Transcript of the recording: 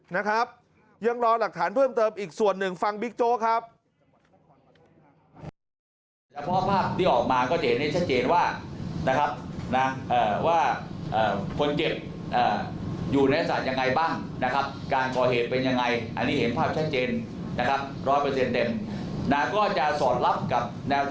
นะครับยังรอหลักฐานเพิ่มเติมอีกส่วนหนึ่งฟังบิ๊กโจ๊กครับ